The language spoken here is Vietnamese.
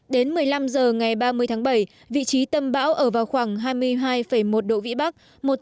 đến một mươi năm h ngày ba mươi tháng bảy vị trí tâm bão ở vào khoảng hai mươi hai một độ vĩ bắc